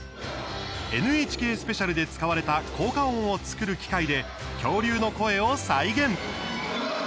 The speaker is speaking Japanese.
ＮＨＫスペシャルで使われた効果音を作る機械で恐竜の声を再現。